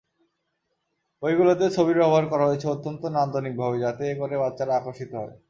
বইগুলোতে ছবির ব্যবহার করা হয়েছে অত্যন্ত নান্দনিকভাবে যাতে করে বাচ্চারা আকর্ষিত হয়।